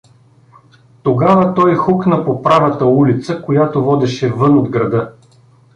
Тогава той хукна по правата улица, която водеше вън от града.